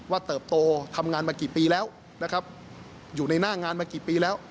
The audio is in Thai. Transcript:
เติบโตทำงานมากี่ปีแล้วนะครับอยู่ในหน้างานมากี่ปีแล้ว